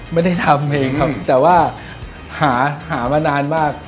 ไม่ได้ทำเองครับแต่ว่าหามานานมาก